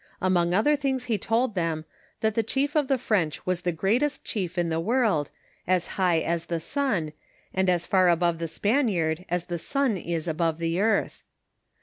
Among other things he told them, that the chief of the French was the greatest chief in the world, as high as the sun, and as far above the Spaniard as the sun is above the earth.